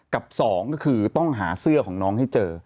กับสองก็คือต้องหาเสื้อของน้องให้เจอ